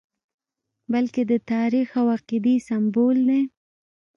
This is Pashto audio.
بلکې د تاریخ او عقیدې سمبول دی.